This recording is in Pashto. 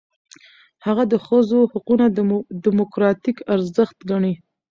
هغه د ښځو حقونه دموکراتیک ارزښت ګڼي.